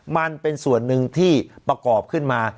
มันเป็นส่วนหนึ่งที่ประกอบขึ้นมา